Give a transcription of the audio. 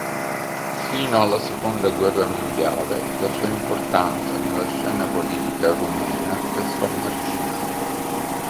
Fino alla seconda guerra mondiale la sua importanza nella scena politica rumena restò marginale.